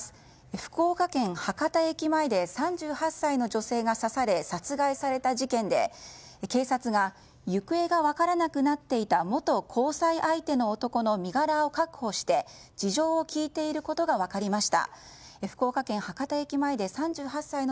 福岡県博多駅前で３８歳の女性が刺され殺害された事件で、警察が行方が分からなくなっていた元交際相手の男の身柄を確保して事情を聴いていることが分かりました。